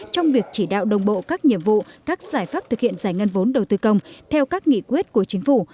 trong việc chỉ đạo đồng bộ các nhiệm vụ các giải pháp thực hiện giải ngân vốn đầu tư công theo các nghị quyết của chính phủ